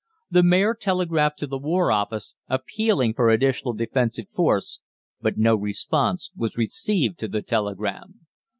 The Mayor telegraphed to the War Office, appealing for additional defensive force, but no response was received to the telegram.